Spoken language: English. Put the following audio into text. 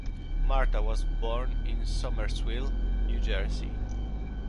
Marta was born in Somerville, New Jersey.